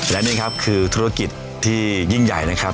และนี่ครับคือธุรกิจที่ยิ่งใหญ่นะครับ